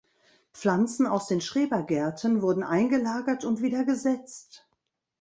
Pflanzen aus den Schrebergärten wurden eingelagert und wieder gesetzt.